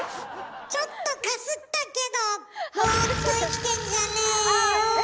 ちょっとかすったけどえ？